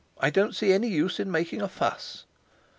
I don't see any use in making a fuss!"